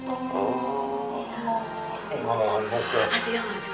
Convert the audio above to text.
oh ada yang lebih bagus